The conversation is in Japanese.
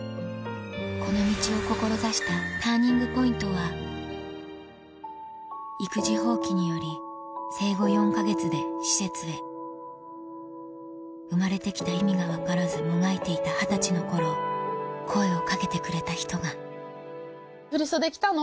この道を志したＴＵＲＮＩＮＧＰＯＩＮＴは育児放棄により生後４か月で施設へ生まれて来た意味が分からずもがいていた二十歳の頃声を掛けてくれた人が「振り袖着たの？」